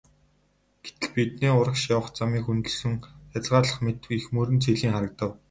Гэтэл бидний урагш явах замыг хөндөлсөн хязгаарлах мэт их мөрөн цэлийн харагдав.